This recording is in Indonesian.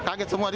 kaget semua di